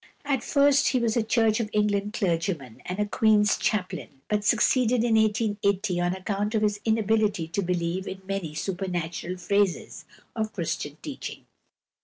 At first he was a Church of England clergyman and a Queen's Chaplain, but seceded in 1880 on account of his inability to believe in many supernatural phases of Christian teaching.